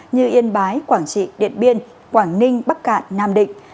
như yên bái quảng trị điện biên quảng ninh bắc cạn nam định